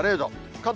関東